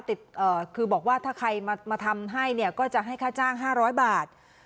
ติดเอ่อคือบอกว่าถ้าใครมามาทำให้เนี่ยก็จะให้ค่าจ้างห้าร้อยบาท